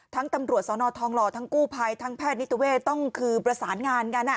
ทั้งตำรวจสลทองรทั้งกู้ภัยทั้งแพทย์นิตุเวทต้องคือประสานงานกันอ่ะ